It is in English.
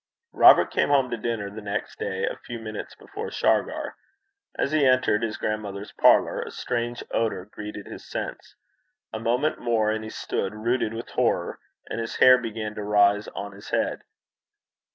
Robert came home to dinner the next day a few minutes before Shargar. As he entered his grandmother's parlour, a strange odour greeted his sense. A moment more, and he stood rooted with horror, and his hair began to rise on his head.